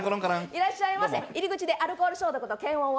いらっしゃいませ、入り口でアルコール消毒と検温を。